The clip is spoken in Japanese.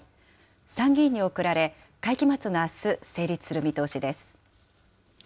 参議院に送られ、会期末のあす、成立する見通しです。